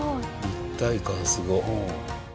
立体感すごっ！